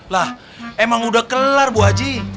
lah emang udah kelar bu haji